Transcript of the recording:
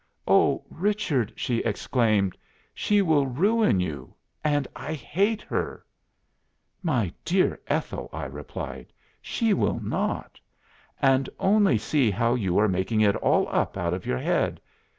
'Oh Richard!' she exclaimed, 'she will ruin you, and I hate her!'" "'My dear Ethel,' I replied, 'she will not. And only see how you are making it all up out of your head.